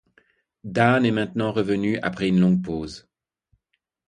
Dan est maintenant revenu après une longue pause.